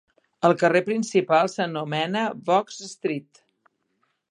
El carrer principal s'anomena Vogts Street.